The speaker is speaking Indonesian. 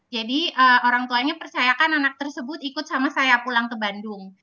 jadi orang tuanya percayakan anak tersebut ikut sama saya pulang ke bandung